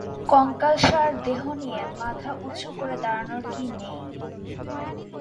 কঙ্কালসার দেহ নিয়ে মাথা উঁচু করে দাঁড়ানোর কি নেই?